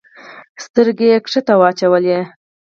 سترګي یې کښته واچولې !